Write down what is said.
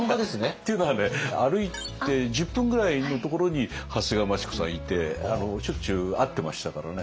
っていうのはね歩いて１０分ぐらいのところに長谷川町子さんいてしょっちゅう会ってましたからね。